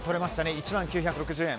１万９６０円。